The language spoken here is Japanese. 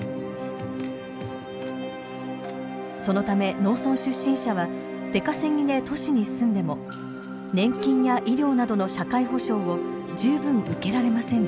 そのため農村出身者は出稼ぎで都市に住んでも年金や医療などの社会保障を十分受けられませんでした。